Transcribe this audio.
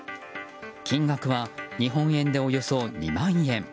金額は日本円でおよそ２万円。